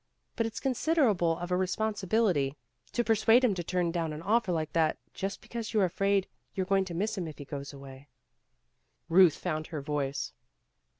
But it's considerable of a responsibility to persuade him to turn down an offer like that, just because you're afraid you're going to miss him if he goes away." Euth found her voice.